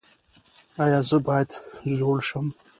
ایا زه باید زوړ شم؟